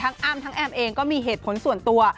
อ้ำทั้งแอมเองก็มีเหตุผลส่วนตัว